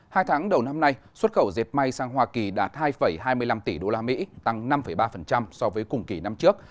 hai tháng đầu năm nay xuất khẩu dệt may sang hoa kỳ đạt hai hai mươi năm tỷ usd tăng năm ba so với cùng kỳ năm trước